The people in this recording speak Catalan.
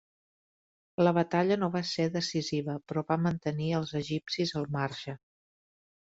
La batalla no va ser decisiva però va mantenir els egipcis al marge.